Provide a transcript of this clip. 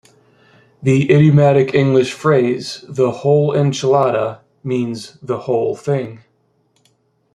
The idiomatic English phrase "the whole enchilada" means "the whole thing".